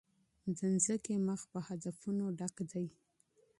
د مځکي مخ په هدفونو ډک دی.